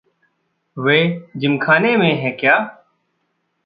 वे जिमखाने में हैं क्या?